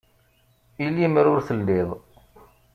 I lemmer ur telliḍ